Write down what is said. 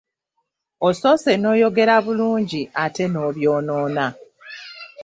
Osoose n'oyogera bulungi ate n'obyonoona.